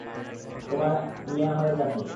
তোমার মেয়ে আমাদের কাছে।